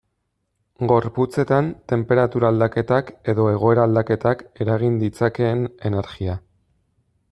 Gorputzetan tenperatura-aldaketak edo egoera aldaketak eragin ditzakeen energia.